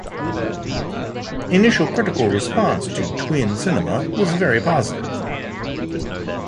Initial critical response to "Twin Cinema" was very positive.